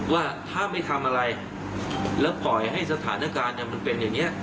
ว่าถ้าไม่ทำอะไรแล้วปล่อยให้สถานการณ์มันเป็นอย่างนี้